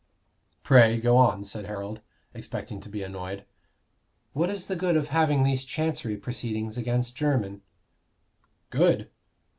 "Pray go on," said Harold, expecting to be annoyed. "What is the good of having these Chancery proceedings against Jermyn?" "Good?